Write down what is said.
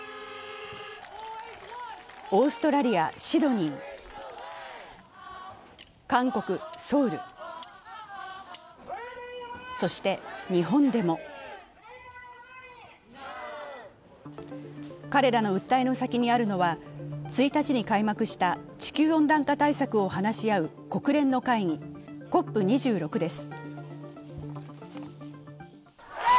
オーストラリア・シドニー、韓国ソウル、そして日本でも彼らの訴えの先にあるのは１日に開幕した地球温暖化対策を話し合う国連の会議、ＣＯＰ２６です。